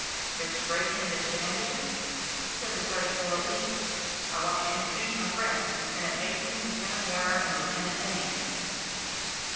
"Mr. Brayton and Mr. Henderson," said the sergeant politely, "I want to introduce my friends, Lieutenant Mason, Lieutenant Warner and Lieutenant Pennington."